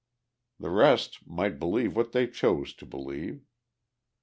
The rest might believe what they chose to believe.